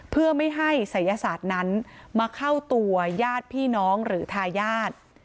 เพื่อไม่ให้ศัยศาสตร์นั้นมาเข้าตัวญาติพี่น้องหรือทายาท